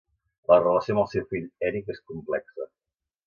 La relació amb el seu fill Eric és complexa.